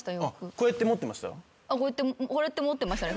こうやって持ってましたね。